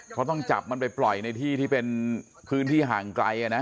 เขาต้องจับมันไปปล่อยในที่ที่เป็นพื้นที่ห่างไกลนะ